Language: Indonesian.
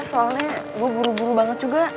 soalnya gue buru buru banget juga